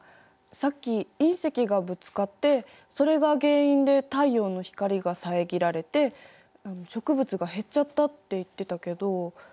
さっき隕石がぶつかってそれが原因で太陽の光がさえぎられて植物が減っちゃったって言ってたけど。